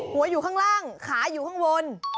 อยู่ข้างล่างขาอยู่ข้างบน